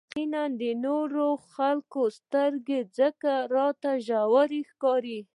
يقيناً د نورو خلکو سترګې ځکه راته ژورې ښکاري.